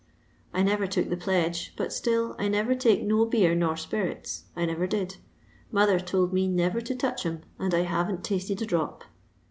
I never took the pledge, but still I never take no beer nor spirits— I never did. Mother told me never to touch 'em, and I haven't tasted a drop.